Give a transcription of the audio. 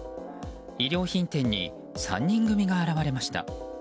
衣料品店に３人組が現れました。